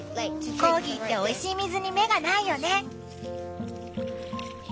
コーギーっておいしい水に目がないよね。